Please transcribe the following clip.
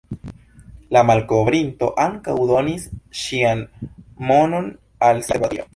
La malkovrinto ankaŭ donis ŝian nomon al sia observatorio.